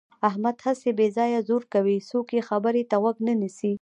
احمد هسې بې ځایه زور کوي. څوک یې خبرې ته غوږ نه نیسي.